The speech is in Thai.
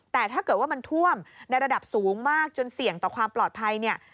แต่ถ้าเกิดว่ามันท่วมในระดับสูงมากจนเสี่ยงต่อความปลอดภัยเนี่ย